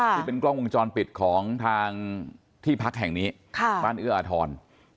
ที่เป็นกล้องวงจรปิดของทางที่พักแห่งนี้บ้านเอื้ออาทร